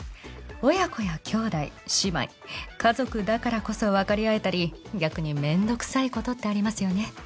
親子や兄弟姉妹家族だからこそわかり合えたり逆に面倒くさい事ってありますよね。